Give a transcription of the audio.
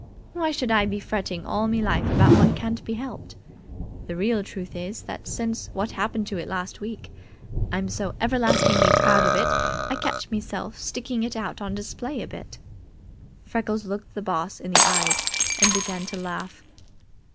Why should I be fretting all me life about what can't be helped. The real truth is, that since what happened to it last week, I'm so everlastingly proud of it I catch meself sticking it out on display a bit." Freckles looked the Boss in the eyes and began to laugh.